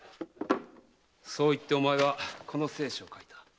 そう言ってお前はこの誓紙を書いた。